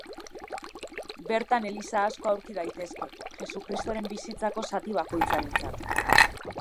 Bertan eliza asko aurki daitezke, Jesukristoren bizitzako zati bakoitzarentzat.